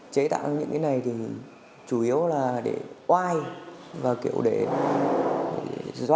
chế tạo những cái này thì chủ yếu là để oai và kiểu để dọa sợ